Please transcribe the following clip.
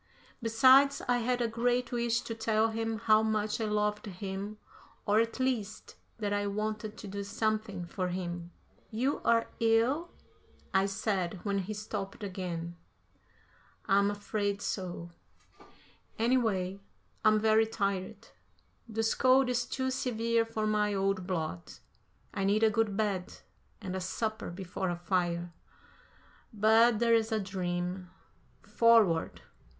Besides, I had a great wish to tell him how much I loved him or, at least, that I wanted to do something for him. "You are ill?" I said, when he stopped again. "I'm afraid so; anyway, I'm very tired. This cold is too severe for my old blood. I need a good bed and a supper before a fire. But that's a dream. Forward!